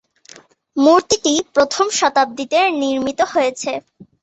মূর্তিটি প্রথম শতাব্দীতে নির্মিত হয়েছিল।